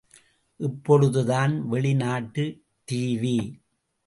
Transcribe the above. இப்பொழுதுதான் வெளி நாட்டு டி.வி.